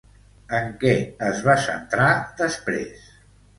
En què es va centrar després?